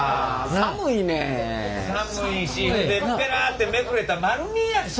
寒いしペラってめくれたら丸見えやし。